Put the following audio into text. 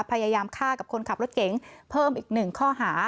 พยายามฆ่ากับคนขับรถเก๋งเพิ่มอีก๑ข้อหา